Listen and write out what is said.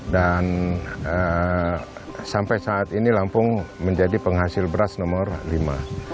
dan sampai saat ini lampung menjadi penghasil beras nomor lima